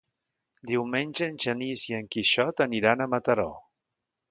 Diumenge en Genís i en Quixot aniran a Mataró.